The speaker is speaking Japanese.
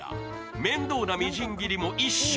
面倒なみじん切りも一瞬。